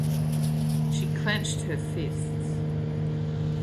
She clenched her fists.